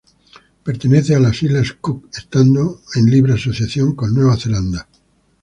Pertenece a las Islas Cook, estado en libre asociación con Nueva Zelanda.